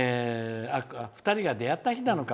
２人が出会った日なのか。